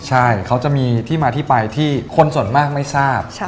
ใช่เขาจะมีที่มาที่ไปที่คนส่วนมากไม่ทราบ